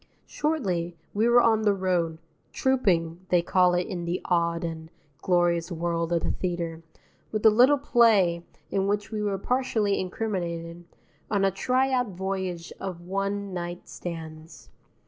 Shortly, we were on the road "trouping," they call it in the odd and glorious world of the theatre with a little play in which we were partially incriminated, on a try out voyage of one night stands.